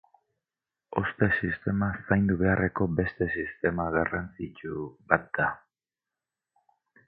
Hozte sistema zaindu beharreko beste sistema garrantzitsu bat da.